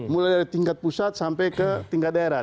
mulai dari tingkat pusat sampai ke tingkat daerah